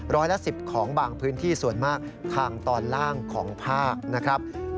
ร้อยละ๑๐ของบางพื้นที่ส่วนมากทางตอนล่างของภาคนะครับ